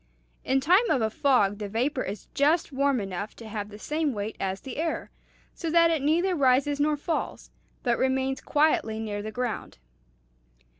In time of a fog the vapor is just warm enough to have the same weight as the air, so that it neither rises nor falls, but remains quietly near the ground."